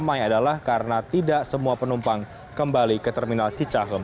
ramai adalah karena tidak semua penumpang kembali ke terminal cicahem